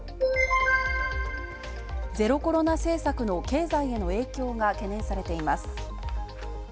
ゼロコロナ政策の経済への影響が懸念されています。